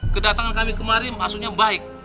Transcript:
kedatangan kami kemari maksudnya baik